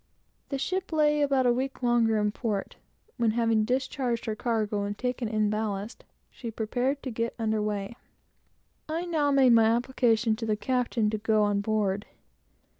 The ship lay about a week longer in port, when, having discharged her cargo and taken in ballast, she prepared to get under weigh. I now made my application to the captain to go on board.